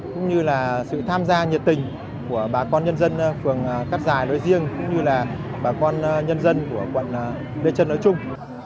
cũng như là sự tham gia nhiệt tình của bà con nhân dân phường cát giải nối riêng cũng như là bà con nhân dân của quận đê trân nối chung